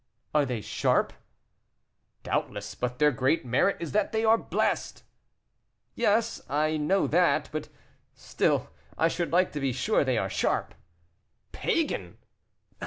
"Are they sharp?" "Doubtless; but their great merit is that they are blessed." "Yes, I know that; but still I should like to be sure they are sharp." "Pagan!"